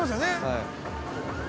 はい。